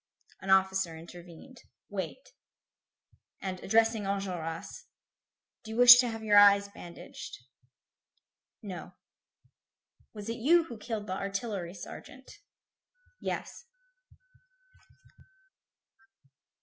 An officer intervened. "Wait." And addressing Enjolras: "Do you wish to have your eyes bandaged?" "No." "Was it you who killed the artillery sergeant?" "Yes."